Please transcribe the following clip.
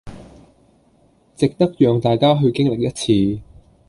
值得讓大家去經歷一次